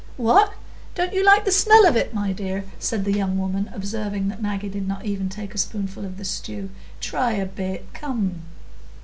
"What! you don't like the smell of it, my dear," said the young woman, observing that Maggie did not even take a spoonful of the stew. "Try a bit, come."